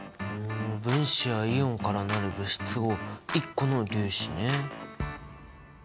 分子やイオンから成る物質を１個の粒子ね。